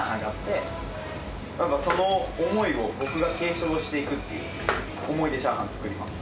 その思いを僕が継承していくっていう思いで炒飯作ります。